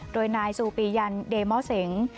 โดยนายซูปียันเดมอเสง